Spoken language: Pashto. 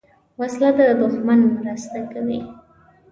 وسله د دوښمن مرسته کوي